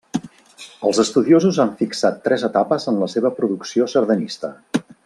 Els estudiosos han fixat tres etapes en la seva producció sardanista.